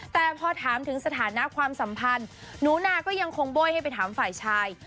แต่พอถามถึงสถานะความสัมพันธ์หนูนาก็ยังคงโบ้ยให้ไปถามฝ่ายชาย